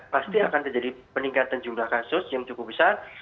pasti akan terjadi peningkatan jumlah kasus yang cukup besar